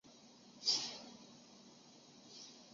何衢为康熙五十九年庚子科举人出身。